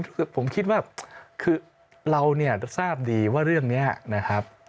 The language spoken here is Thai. คือผมคิดว่าคือเราเนี่ยทราบดีว่าเรื่องนี้นะครับ